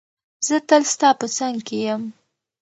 زه تل ستا په څنګ کې یم.